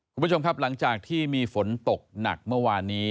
คุณผู้ชมครับหลังจากที่มีฝนตกหนักเมื่อวานนี้